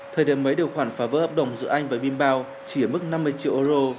thời điểm mấy điều khoản phá vỡ hợp đồng giữa anh và bimbank chỉ ở mức năm mươi triệu euro